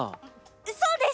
そうです！